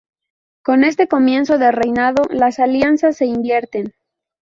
Con este comienzo de reinado, las alianzas se invierten.